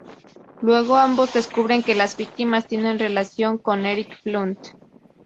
Luego, ambos descubren que las víctimas tienen relación con Erich Blunt.